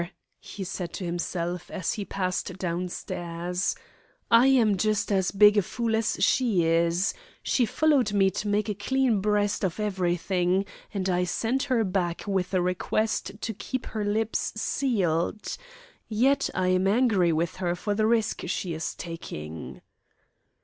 he said to himself, as he passed downstairs, "I am just as big a fool as she is. She followed me to make a clean breast of everything, and I send her back with a request to keep her lips sealed. Yet I am angry with her for the risk she is taking!"